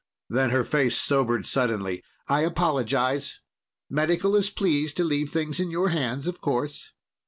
Then her face sobered suddenly. "I apologize. Medical is pleased to leave things in your hands, of course."